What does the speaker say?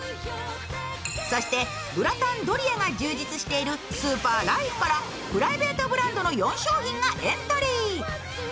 そしてグラタン、ドリアが充実しているスーパーライフからプライベートブランドの４商品がエントリー。